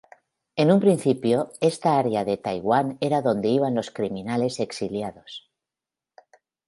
En un principio, esta área de Taiwán era donde iban los criminales exiliados.